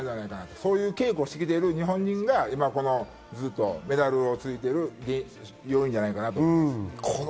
そういう稽古をしてきている日本の選手がずっとメダルを取っている要因じゃないかなと思いますね。